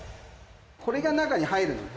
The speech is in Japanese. これが中に入るの。